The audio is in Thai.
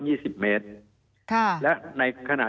มีความรู้สึกว่ามีความรู้สึกว่า